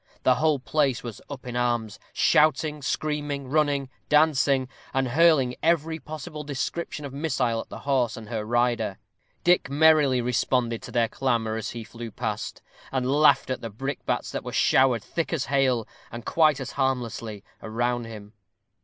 The whole place was up in arms, shouting, screaming, running, dancing, and hurling every possible description of missile at the horse and her rider. Dick merrily responded to their clamor as he flew past, and laughed at the brickbats that were showered thick as hail, and quite as harmlessly, around him.